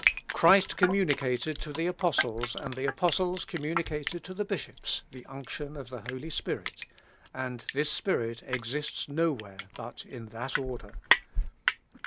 Christ communicated to the Apostles, and the Apostles communicated to the Bishops, the unction of the Holy Spirit; and this Spirit exists nowhere but in that order!